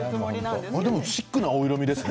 でもシックなお色みですね